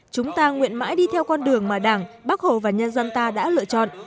chúng ta nguyện mãi đi theo con đường mà đảng bác hồ và nhân dân ta đã lựa chọn